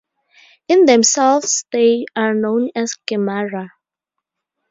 In themselves they are known as "Gemara".